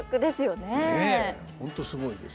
ねえ本当すごいです。